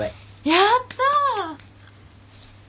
やった！